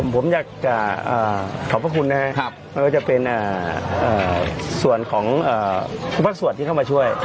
ผมอยากจะขอบพระคุณนะครับไม่ว่าจะเป็นส่วนของทุกภาคส่วนที่เข้ามาช่วย